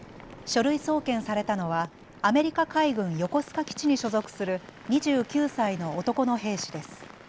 書類送検されたのはアメリカ海軍横須賀基地に所属する２９歳の男の兵士です。